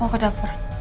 mau ke dapur